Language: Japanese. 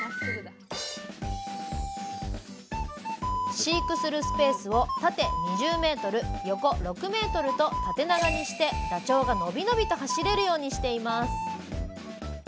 飼育するスペースを縦２０ｍ横６ｍと縦長にしてダチョウが伸び伸びと走れるようにしています